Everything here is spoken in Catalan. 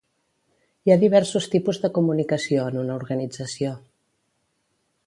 Hi ha diversos tipus de comunicació en una organització.